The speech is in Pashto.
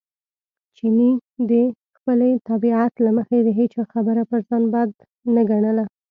چیني د خپلې طبیعت له مخې د هېچا خبره پر ځان بد نه ګڼله.